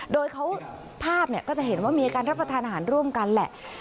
โดยเขาภาพก็จะเห็นว่ามีการรับประทานอาหารร่วมกันแหละ